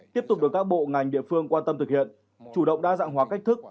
tiếp tục được các bộ ngành địa phương quan tâm thực hiện chủ động đa dạng hóa cách thức